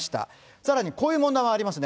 さらにこういう問題もありますね。